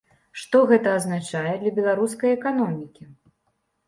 Што гэта азначае для беларускай эканомікі?